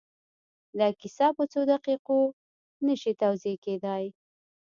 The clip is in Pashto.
دا کيسه په څو دقيقو کې نه شي توضيح کېدای.